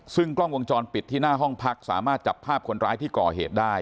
ซึ่งกล้องวงจรปิดที่หน้าห้องพักสามารถจับภาพคนร้ายที่ก่อเหตุได้